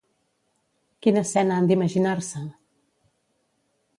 Quina escena han d'imaginar-se?